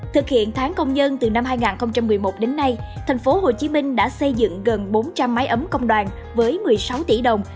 thực hiện tháng công nhân từ năm hai nghìn một mươi một đến nay thành phố hồ chí minh đã xây dựng gần bốn trăm linh máy ấm công đoàn với một mươi sáu tỷ đồng